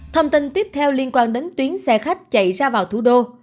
thông tin tiếp theo liên quan đến tuyến xe khách chạy ra vào thủ đô